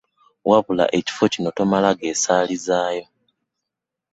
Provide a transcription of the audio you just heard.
Wabula ekifo kino tomala geesaalizaayo.